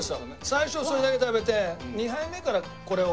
最初それだけ食べて２杯目からこれをかけたりとか。